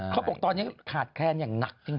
เขาบอกตอนนี้ขาดแคลนอย่างหนักจริง